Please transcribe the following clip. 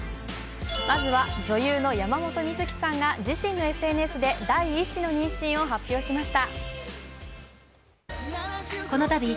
まずは女優の山本美月さんが自身のＳＮＳで第１子の妊娠を発表しました。